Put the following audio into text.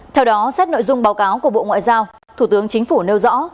theo đó xét nội dung báo cáo của bộ ngoại giao thủ tướng chính phủ nêu rõ